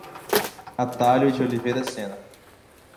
Atalio de Oliveira Sena